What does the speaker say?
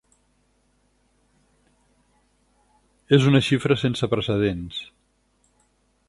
És una xifra sense precedents.